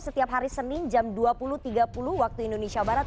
setiap hari senin jam dua puluh tiga puluh waktu indonesia barat